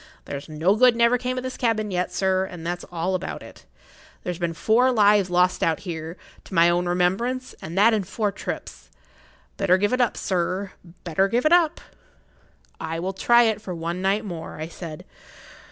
There's no good never came o' this cabin yet, sir, and that's all about it. There's been four lives lost out o' here to my own remembrance, and that in four trips. Better give it up, sir—better give it up!" "I will try it for one night more," I said.